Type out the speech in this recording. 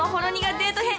デート編』。